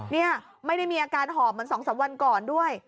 นี่ไม่ได้มีอาการหอบเหมือน๒๓วันก่อนด้วย